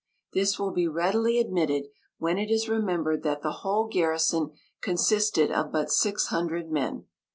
This will be readily admitted, when it is remembered that the whole garrison consisted of but six hundred men.